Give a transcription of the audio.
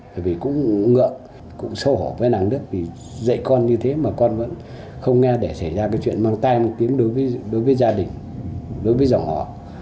bởi vì cũng ngựa cũng xấu hổ với nàng đức vì dạy con như thế mà con vẫn không nghe để xảy ra cái chuyện mang tay tiếng đối với gia đình đối với dòng họ